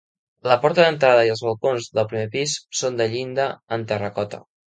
La porta d'entrada i els balcons del primer pis són de llinda en terracota.